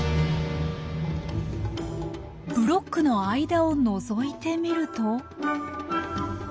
ブロックの間をのぞいてみると。